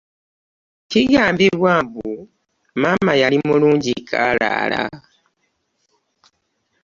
Kigambibwa mbu Maama yali mulungi kkaalaala.